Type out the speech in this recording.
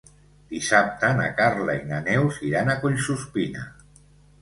Dissabte na Carla i na Neus iran a Collsuspina.